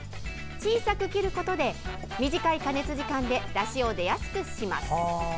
小さく切ることで短い加熱時間でだしを出やすくします。